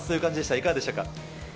いかがでしたか。